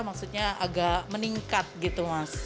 maksudnya agak meningkat gitu mas